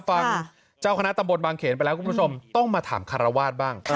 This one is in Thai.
ฟังเจ้าคณะตำบลบางเขนไปแล้วคุณผู้ชมต้องมาถามคารวาสบ้าง